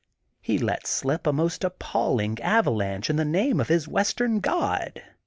He lets slip a most appalling avalanche in the name of his western Ood.